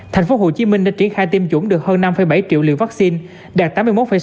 tp hcm đã triển khai tiêm chủng được hơn năm bảy triệu liều vaccine đạt tám mươi một sáu